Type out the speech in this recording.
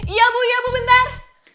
iya bu ya bu bentar